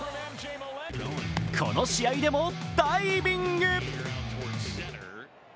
この試合でもダイビング！